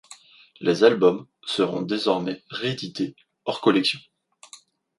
Les albums seront désormais réédités hors collection.